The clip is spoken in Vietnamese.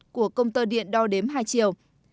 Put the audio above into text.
của công tơ điện đo đếm hai chiều